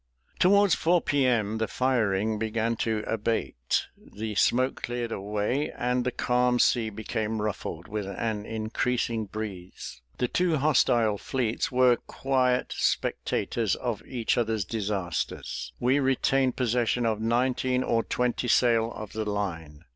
Towards four P.M. the firing began to abate, the smoke cleared away, and the calm sea became ruffled with an increasing breeze. The two hostile fleets were quiet spectators of each other's disasters. We retained possession of nineteen or twenty sail of the line.